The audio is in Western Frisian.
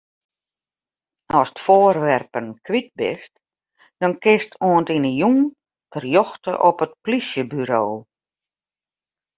Ast foarwerpen kwyt bist, dan kinst oant yn 'e jûn terjochte op it plysjeburo.